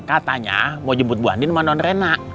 katanya mau jemput bu andin sama nonrena